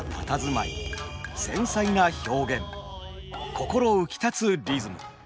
心浮きたつリズム。